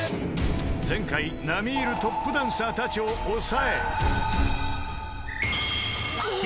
［前回並み居るトップダンサーたちを抑え］